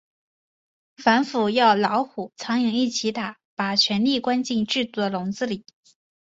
反腐要老虎、苍蝇一起打，把权力关进制度的笼子里。